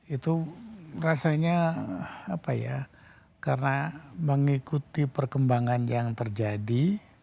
itu rasanya apa ya karena mengikuti perkembangan yang terjadi